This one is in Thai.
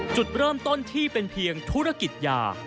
จุดเริ่มต้นที่เป็นเพียงธุรกิจยา